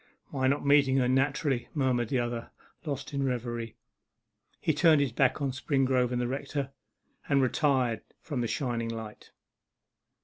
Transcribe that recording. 'My not meeting her, naturally,' murmured the other, lost in reverie. He turned his back on Springrove and the rector, and retired from the shining light.